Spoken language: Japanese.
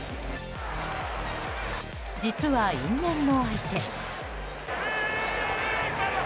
実は、因縁の相手。